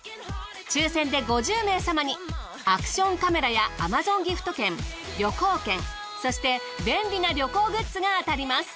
抽選で５０名様にアクションカメラやＡｍａｚｏｎギフト券旅行券そして便利な旅行グッズが当たります。